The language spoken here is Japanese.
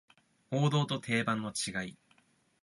王道と定番の違い